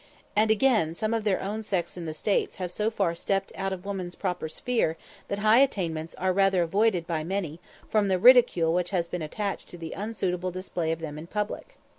And again, some of their own sex in the States have so far stepped out of woman's proper sphere, that high attainments are rather avoided by many from the ridicule which has been attached to the unsuitable display of them in public.